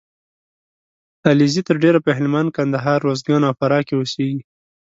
علیزي تر ډېره په هلمند ، کندهار . روزګان او فراه کې اوسېږي